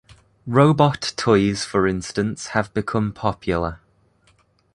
Robot toys for instance have become popular.